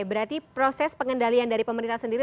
berarti proses pengendalian dari pemerintah sendiri